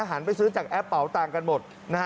หันไปซื้อจากแอปเป๋าต่างกันหมดนะฮะ